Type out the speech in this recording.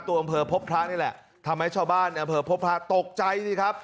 อำเภอพบพระนี่แหละทำให้ชาวบ้านในอำเภอพบพระตกใจสิครับ